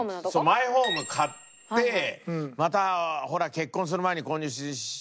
マイホーム買ってまたほら結婚する前に購入。